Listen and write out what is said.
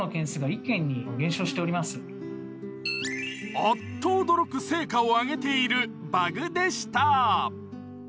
あっと驚く成果を上げているバグでした。